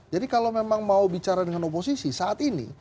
kalau memang mau bicara dengan oposisi saat ini